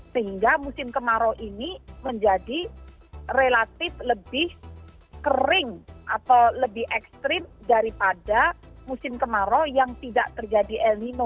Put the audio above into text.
sehingga musim kemarau ini menjadi relatif lebih kering atau lebih ekstrim daripada musim kemarau yang tidak terjadi el nino